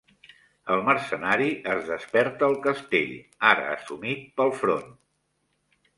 El mercenari es desperta al castell, ara assumit pel front.